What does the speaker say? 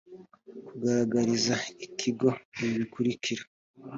kugaragariza ikigo ibi bikurikira